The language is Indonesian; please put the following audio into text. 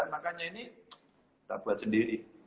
makanya ini kita buat sendiri